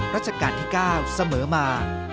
ราชการที่๙เสมอมา